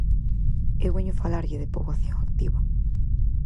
Eu veño falarlle de poboación activa.